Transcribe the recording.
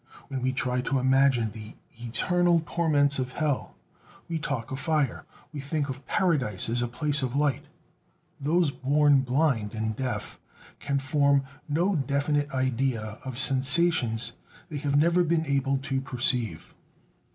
When we try to imagine the eternal torments of hell, we talk of fire; we think of Paradise as a place of light. Those born blind and deaf can form no definite idea of sensations they have never been able to perceive.